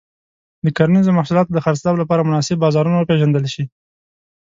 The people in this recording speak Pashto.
د کرنيزو محصولاتو د خرڅلاو لپاره مناسب بازارونه وپیژندل شي.